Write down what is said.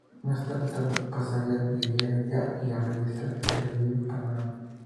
Más tarde pasaría al "Diario Ya" y a las revistas "Interviú" y "Panorama".